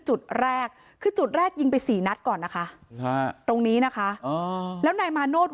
จุดแรกคือจุดแรกยิงไปสี่นัดก่อนนะคะตรงนี้นะคะแล้วนายมาโนธ